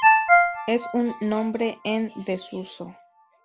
Es un nombre en desuso.